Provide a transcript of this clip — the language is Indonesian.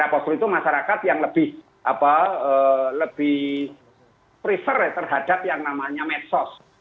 postur itu masyarakat yang lebih prefer terhadap yang namanya medsos